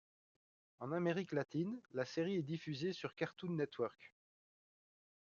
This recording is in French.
En Amérique latine, la série est diffusée sur Cartoon Network.